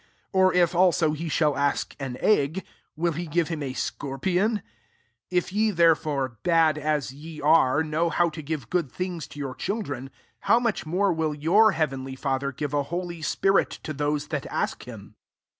12 or if also he shall ask an t^^f will he give him a scor pion ? 13 If ye therefore, bad as pe are, know how to give good things to your children, how much more will yosr heavenly Father give a holy spirit to those that ask him